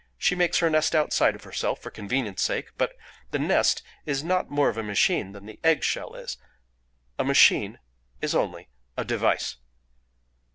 She makes her nest outside of herself for convenience' sake, but the nest is not more of a machine than the egg shell is. A 'machine' is only a 'device.